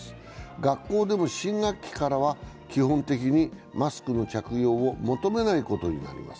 学校でも新学期からは基本的にマスクの着用を求めないことになります。